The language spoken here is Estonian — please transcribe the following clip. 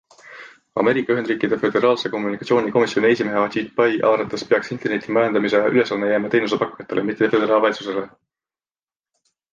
Ameerika Ühendriikide föderaalse kommunikatsiooni komisjoni esimehe Ajit Pai arvates peaks interneti majandamise ülesanne jääma teenusepakkujatele, mitte föderaalvalitsusele.